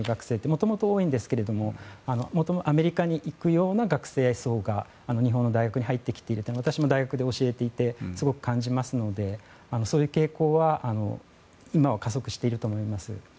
もともと多いんですけれどもアメリカに行くような学生層が日本の大学に入ってきているため私も大学で教えていてすごく感じますのでそういう傾向は今は加速していると思います。